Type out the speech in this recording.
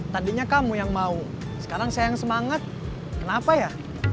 tadinya kamu yang mau sekarang saya yang semangat kenapa ya